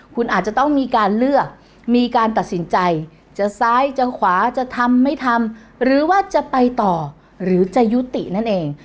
คุณอาจจะต้องมีการเลือกมีการตัดสินใจจะซ้ายจะขวาจะทำไม่ทำหรือว่าจะไปต่อหรือจะยุตินั่นเอง